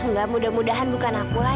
enggak mudah mudahan bukan akulah